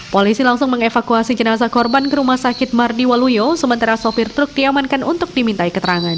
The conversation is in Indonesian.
polisi langsung mengevakuasi jenazah korban ke rumah sakit mardi waluyo sementara sopir truk diamankan untuk dimintai keterangan